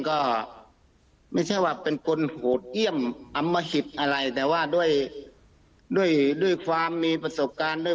ก็ไม่ใช่ว่าเป็นคนโหดเยี่ยมอำมหิตอะไรแต่ว่าด้วยด้วยความมีประสบการณ์ด้วย